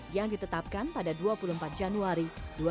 yang ditetapkan pada dua puluh empat januari dua ribu dua puluh